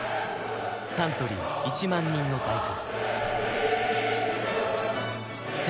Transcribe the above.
「サントリー１万人の第九」